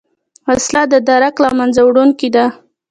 وسله د درک له منځه وړونکې ده